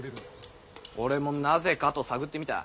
俺もなぜかと探ってみた。